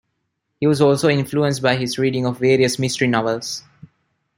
He was also influenced by his reading of various mystery novels.